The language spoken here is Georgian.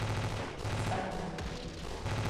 სად მოძებნით?